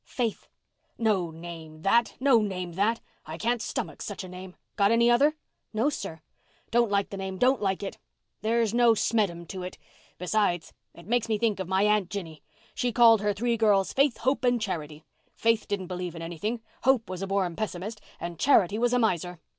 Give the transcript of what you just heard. "Faith." "No name that—no name that! I can't stomach such a name. Got any other?" "No, sir." "Don't like the name, don't like it. There's no smeddum to it. Besides, it makes me think of my Aunt Jinny. She called her three girls Faith, Hope, and Charity. Faith didn't believe in anything—Hope was a born pessimist—and Charity was a miser.